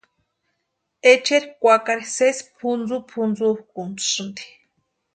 Echeri kwakari sési pʼuntsupʼuntsukʼuntisïnti.